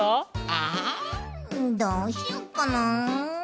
えどうしよっかなあ。